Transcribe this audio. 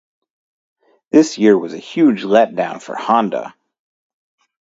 This year was a huge let down for Honda.